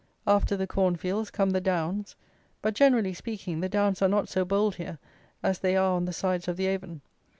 After the corn fields come the downs; but, generally speaking, the downs are not so bold here as they are on the sides of the Avon.